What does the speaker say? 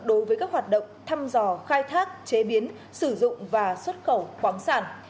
đối với các hoạt động thăm dò khai thác chế biến sử dụng và xuất khẩu khoáng sản